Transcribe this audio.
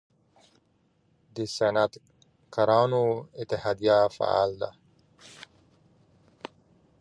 د صنعتکارانو اتحادیه فعال ده؟